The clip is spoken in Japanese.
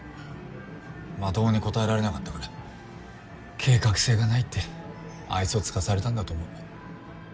まともに答えられなかったから計画性がないって愛想尽かされたんだと思う。